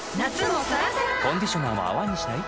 コンディショナーも泡にしない？